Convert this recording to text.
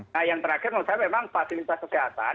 nah yang terakhir menurut saya memang fasilitas kesehatan